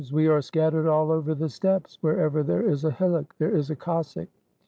We are scattered all over the steppes: wherever there is a hillock, there is a Cossack."